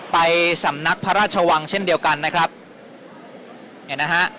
ไปสำนักพระราชวังเช่นเดียวกันนะครับเนี่ยนะฮะ